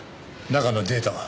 中のデータは？